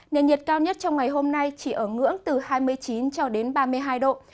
nền nhiệt cao nhất trong ngày hôm nay chỉ ở ngưỡng từ hai mươi chín cho đến ba mươi hai độ